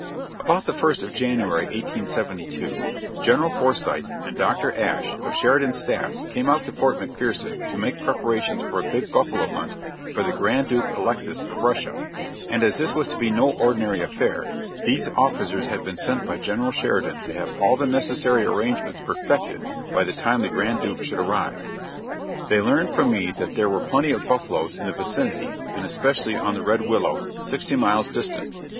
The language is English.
About the first of January, 1872, General Forsyth and Dr. Asch, of Sheridan's staff came out to Fort McPherson to make preparations for a big buffalo hunt for the Grand Duke Alexis, of Russia; and as this was to be no ordinary affair, these officers had been sent by General Sheridan to have all the necessary arrangements perfected by the time the Grand Duke should arrive. They learned from me that there were plenty of buffaloes in the vicinity and especially on the Red Willow, sixty miles distant.